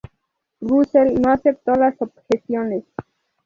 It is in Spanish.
Russell no aceptó las objeciones.